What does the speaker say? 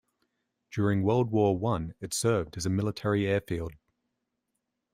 During World War One, it served as a military airfield.